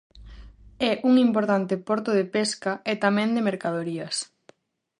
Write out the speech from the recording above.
É un importante porto de pesca e tamén de mercadorías.